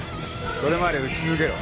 それまで打ち続けろ。